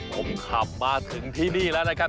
ผมขับมาถึงที่นี่แล้วนะครับ